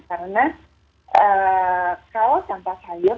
karena kalau tanpa sayur